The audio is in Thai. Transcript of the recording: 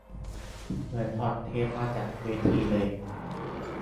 เหมือนถอดเทปมาจากเวทีเลย